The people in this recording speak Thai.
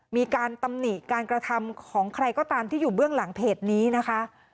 มีการตำหนิการกระทำของใครก็ตามที่อยู่เบื้องหลังเพจนี้นะคะ